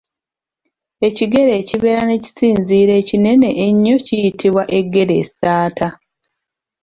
Ekigere ekibeera n’ekisinziiro ekinene ennyo kiyitibwa eggeressaata.